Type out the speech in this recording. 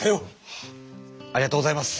ありがとうございます。